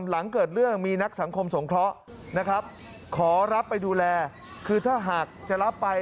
หลังเกิดเรื่องมีนักสังคมสงเคราะห์นะครับขอรับไปดูแลคือถ้าหากจะรับไป